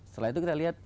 setelah itu kita lihat